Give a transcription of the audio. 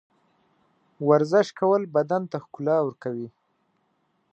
ورزش کول بدن ته ښکلا ورکوي.